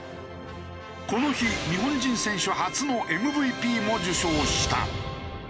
この日日本人選手初のＭＶＰも受賞した。